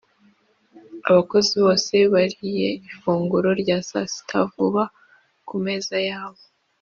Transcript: abakozi bose bariye ifunguro rya sasita vuba ku meza yabo.